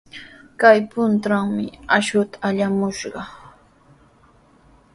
Kay puntrawmi akshuta allamushaq.